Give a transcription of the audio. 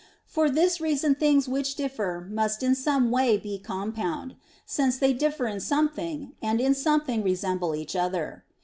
For this reason things which differ must in some way be compound; since they differ in something, and in something resemble each other.